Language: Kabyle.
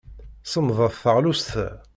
Semmḍet teɣlust-a.